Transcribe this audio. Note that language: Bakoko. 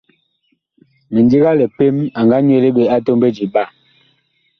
Mindiga lipem, a nga nyuele ɓe a tɔmbedi ɓaa.